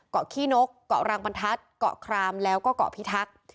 ขี้นกเกาะรางบรรทัศน์เกาะครามแล้วก็เกาะพิทักษ์